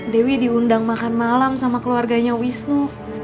dewi diundang makan malam sama keluarganya wisnu